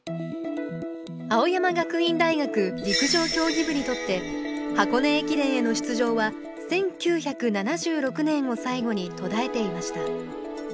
青山学院大学陸上競技部にとって箱根駅伝への出場は１９７６年を最後に途絶えていました。